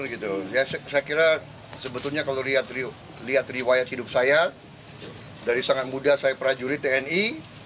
saya kira sebetulnya kalau lihat riwayat hidup saya dari sangat muda saya prajurit tni